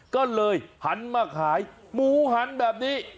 ก็เลยหันมาขายหมูหันแบบนี้